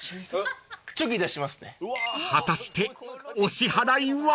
［果たしてお支払いは？］